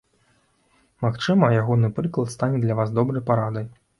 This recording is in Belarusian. Магчыма, ягоны прыклад стане для вас добрай парадай.